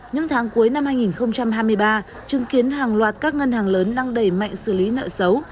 những tháng cuối năm hai nghìn hai mươi ba chứng kiến hàng loạt các ngân hàng lớn đang đẩy mạnh xử lý nợ xấu